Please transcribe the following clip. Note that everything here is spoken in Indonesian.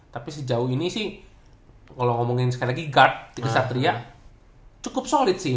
tapi sejauh ini sih kalau ngomongin sekali lagi guard di satria cukup solid sih